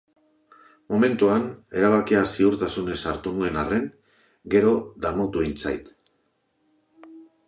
Momentuan erabakia ziurtasunez hartu nuen arren, gero damutu egin zait.